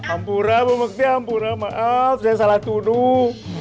ampura bu mukti ampura maaf saya salah tuduh